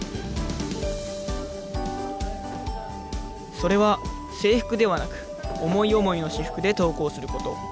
それは制服ではなく思い思いの私服で登校すること。